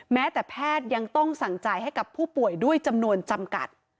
แม้แต่แพทย์ยังต้องสั่งจ่ายให้กับผู้ป่วยด้วยจำนวนจำกัด